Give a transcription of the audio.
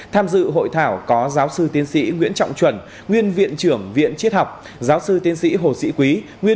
tham dự hội thảo có giáo sư tiến sĩ nguyễn trọng chuẩn nguyên viện trưởng viện triết học giáo sư tiến sĩ hồ sĩ quý